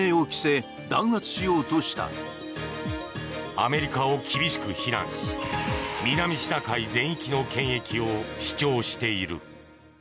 アメリカを厳しく非難し南シナ海全域の権益を主張している。